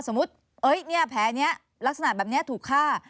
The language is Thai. แผลนี้ลักษณะแบบนี้ถูกฆ่า